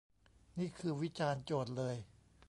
นี่คือวิจารณ์โจทย์เลย